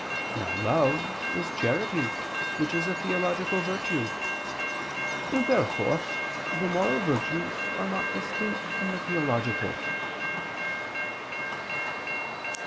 Now love is charity, which is a theological virtue. Therefore the moral virtues are not distinct from the theological.